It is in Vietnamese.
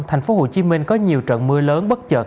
tp hcm có nhiều trận mưa lớn bất chợt